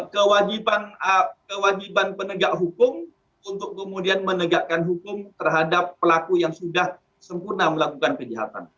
kewajiban penegak hukum untuk kemudian menegakkan hukum terhadap pelaku yang sudah sempurna melakukan kejahatan